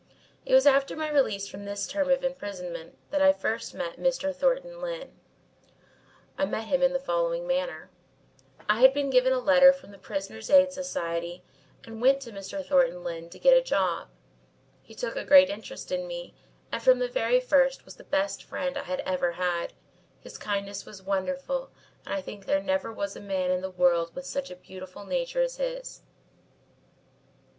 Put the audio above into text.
"It was after my release from this term of imprisonment that I first met Mr. Thornton Lyne. I met him in the following manner. I had been given a letter from the Prisoners' Aid Society and went to Mr. Thornton Lyne to get a job. He took a great interest in me and from the very first was the best friend I had ever had. His kindness was wonderful and I think there never was a man in the world with such a beautiful nature as his.